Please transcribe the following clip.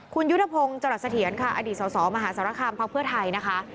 คุณยุทธพงศ์จรัสเถียรค่ะอดีตสสมหาสารคามพักเพื่อไทยนะคะ